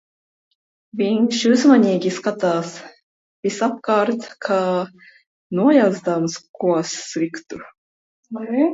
Viņš uzmanīgi skatās visapkārt, kā nojauzdams ko sliktu.